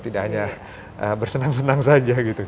tidak hanya bersenang senang saja gitu